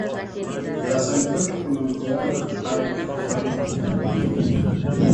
“Darasani kwetu kuna mvulana aitwa Faridi